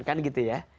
kan gitu ya